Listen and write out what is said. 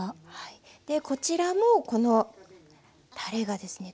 でこちらもこのたれがですね